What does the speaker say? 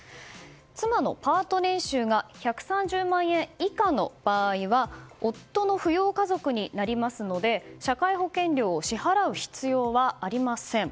妻のパート年収が１３０万円以下の場合は夫の扶養家族になりますので社会保険料を支払う必要はありません。